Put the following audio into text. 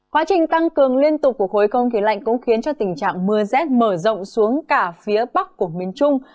quá trình tăng cường liên tục của khối không khí lạnh cũng khiến cho tình trạng mưa rét mở rộng xuống cả phía bắc của miền trung